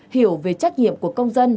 hiểu về trách nhiệm của công dân